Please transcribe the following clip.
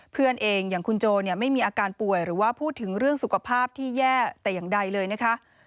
เพื่อนเองอย่างคุณโจไม่มีอาการป่วยหรือว่าพูดถึงเรื่องสุขภาพที่แย่แต่อย่างใดเลยนะคะ